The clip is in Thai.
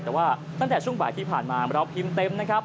แต่ว่าตั้งแต่ช่วงบ่ายที่ผ่านมาเราพิมพ์เต็มนะครับ